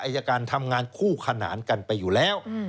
อายการทำงานคู่ขนานกันไปอยู่แล้ว